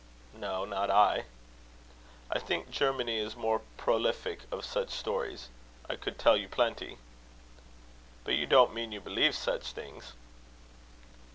"No, not I." "I think Germany is more prolific of such stories. I could tell you plenty." "But you don't mean you believe such things?"